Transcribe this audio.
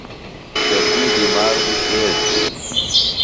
تسی دماغ بیۡ تیز بِھلیۡ۔